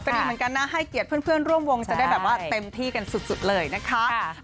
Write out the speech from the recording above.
ก็ดีเหมือนกันนะให้เกียรติเพื่อนร่วมวงจะได้แบบว่าเต็มที่กันสุดเลยนะคะ